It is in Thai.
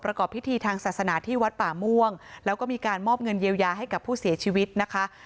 ประกอบพิธีทางศาสนาที่วัดป่าม่วงแล้วก็มีการมอบเงินเยียวยาให้กับผู้เสียชีวิตนะคะ